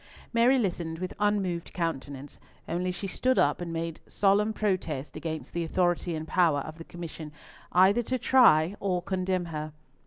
Mary listened with unmoved countenance, only she stood up and made solemn protest against the authority and power of the Commission either to try or condemn her.